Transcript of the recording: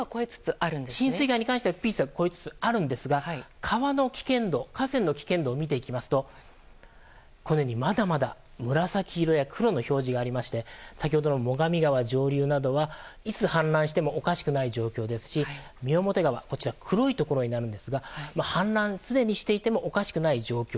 浸水害についてはピークは越えつつあるんですが河川の危険度を見ますとまだまだ紫色や黒の表示がありまして先ほどの最上川上流などはいつ氾濫してもおかしくない状況ですし三面川黒いところになるんですが氾濫すでにしていてもおかしくない状況